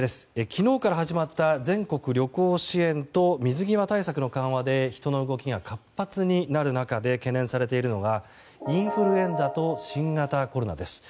昨日から始まった全国旅行支援と水際対策の緩和で人の動きが活発になる中で懸念されているのがインフルエンザと新型コロナです。